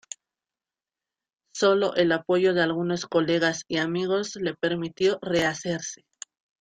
Sólo el apoyo de algunos colegas y amigos le permitió rehacerse.